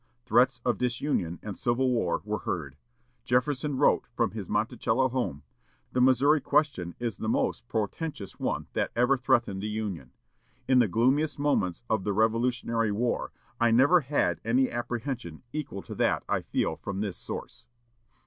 Threats of disunion and civil war were heard. Jefferson wrote from his Monticello home, "The Missouri question is the most portentous one that ever threatened the Union. In the gloomiest moments of the Revolutionary War I never had any apprehension equal to that I feel from this source."